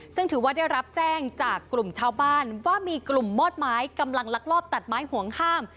ซึ่งถือว่าได้รับแจ้งจากกลุ่มชาวบ้านว่ามีกลุ่มมอดไม้กำลังลักลอบตัดไม้ห่วงห้าม